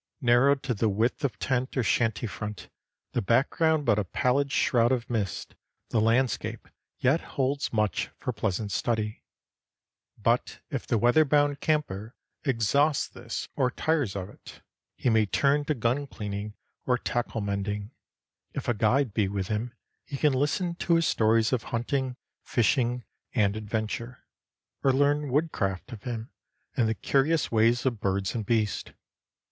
Narrowed to the width of tent or shanty front, the background but a pallid shroud of mist, the landscape yet holds much for pleasant study. But if the weather bound camper exhausts this or tires of it, he may turn to gun cleaning or tackle mending. If a guide be with him, he can listen to his stories of hunting, fishing, and adventure, or learn woodcraft of him and the curious ways of birds and beasts.